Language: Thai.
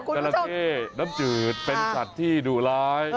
ราเข้น้ำจืดเป็นสัตว์ที่ดุร้าย